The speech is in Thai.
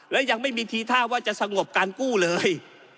และยังไม่มีทีท่าว่าจะสงบการกู้เลย